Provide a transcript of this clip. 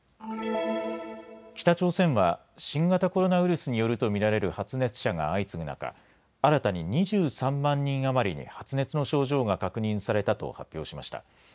北朝鮮は新型コロナウイルスによると見られる発熱者が相次ぐ中新たに２３万人余りに発熱の症状が確認されたと発表しました。